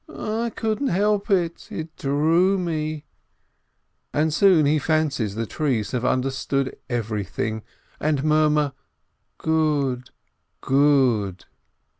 I couldn't help it ... it drew me ..." And soon he fancies that the trees have understood everything, and murmur, "Good, good!"